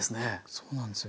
そうなんですよ